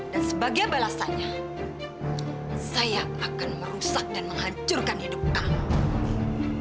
dan sebagai balasannya saya akan merusak dan menghancurkan hidup kamu